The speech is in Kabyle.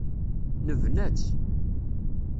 Nebna-tt.